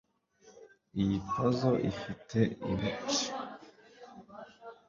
Iyi puzzle ifite ibic